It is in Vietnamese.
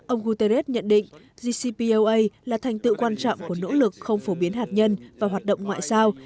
ông guterres nhận định gcpoa là thành tựu quan trọng của nỗ lực không phổ biến hạt nhân và hoạt động ngoại giao